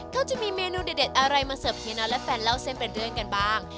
เขาจะมีเมนูเด็ดอะไรมาเสิร์ฟเฮียน็อตและแฟนเล่าเส้นเป็นเรื่องกันบ้าง